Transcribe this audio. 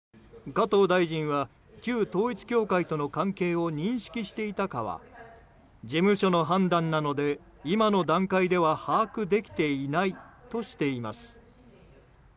加藤大臣は旧統一教会との関係を認識していたかは事務所の判断なので今の段階では把握できていないとしています。